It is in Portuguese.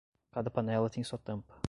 Cada panela tem sua tampa.